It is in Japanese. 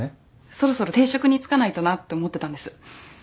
そろそろ定職に就かないとなって思ってたんです。